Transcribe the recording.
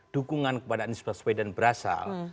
dukungan kepada anies baswedan berasal